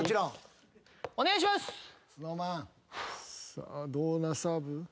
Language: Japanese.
さあどんなサーブ？